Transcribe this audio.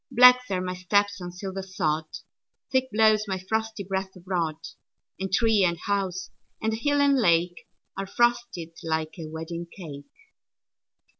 Black are my steps on silver sod; Thick blows my frosty breath abroad; And tree and house, and hill and lake, Are frosted like a wedding cake.